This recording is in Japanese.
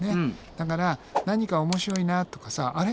だから何か面白いなとかさあれ？